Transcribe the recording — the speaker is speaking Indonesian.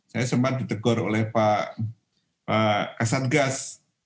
saya sempat ditegur oleh pak kasatgas